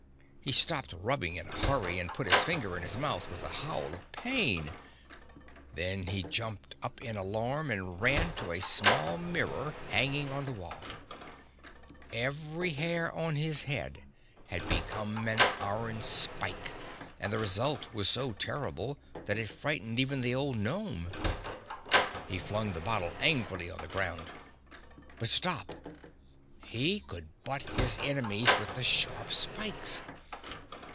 He stopped rubbing in a hurry and put his finger in his mouth with a howl of pain. Then he jumped up in alarm and ran to a small mirror hanging on the wall. Every hair on his head had become an iron spike and the result was so terrible that it frightened even the old gnome. He flung the bottle angrily on the ground. But stop! He could butt his enemies with the sharp spikes!